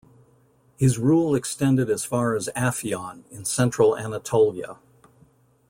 His rule extended as far as Afyon, in central Anatolia.